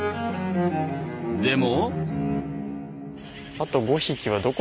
でも。